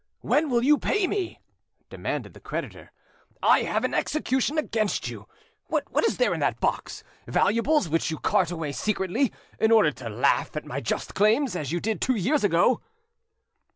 "When will you pay me?" demanded the creditor. "I have an execution against you. What is there in that box? Valuables which you cart away secretly, in order to laugh at my just claims, as you did two years ago?"